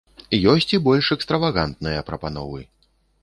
Ёсць і больш экстравагантныя прапановы.